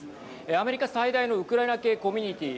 アメリカ最大のウクライナ系コミュニティー